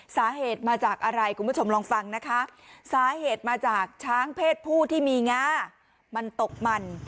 สาเหตุมาจากอะไรคุณผู้ชมลองฟังนะคะสาเหตุมาจากช้างเพศผู้ที่มีงามันตกมัน